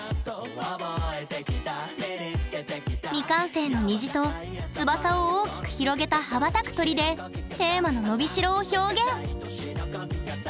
未完成の虹と翼を大きく広げた羽ばたく鳥でテーマの「のびしろ」を表現！